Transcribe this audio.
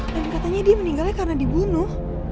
dan katanya dia meninggalnya karena dibunuh